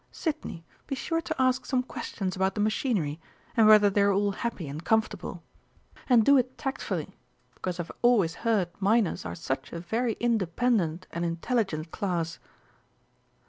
Sidney, be sure to ask some questions about the machinery, and whether they're all happy and comfortable. And do it tactfully, because I've always heard miners are such a very independent and intelligent class."